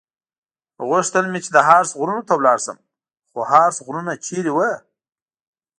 غوښتل مې چې د هارتز غرونو ته ولاړ شم، خو هارتز غرونه چېرته ول؟